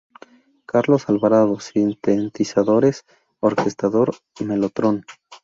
Carlos Alvarado- sintetizadores, orquestador mellotron.